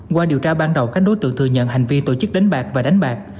qua điều tra ban đầu các đối tượng thừa nhận hành vi tổ chức đánh bạc và đánh bạc